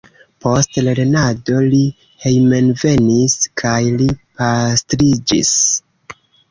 Post lernado li hejmenvenis kaj li pastriĝis.